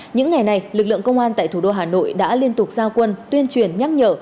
những ngày này lực lượng công an tại thủ đô hà nội đã liên tục giao quân tuyên truyền nhắc nhở